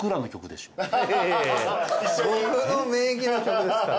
いやいや僕の名義の曲ですから。